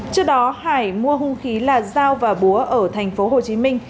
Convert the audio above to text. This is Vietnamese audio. trước đó hải mua hung khí là dao và búa ở tp hcm